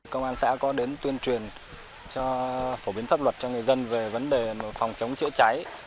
công an xã có đến tuyên truyền phổ biến pháp luật cho người dân về vấn đề phòng chống chữa cháy